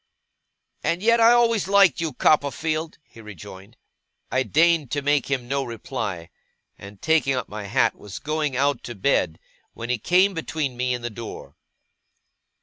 'And yet I always liked you, Copperfield!' he rejoined. I deigned to make him no reply; and, taking up my hat, was going out to bed, when he came between me and the door.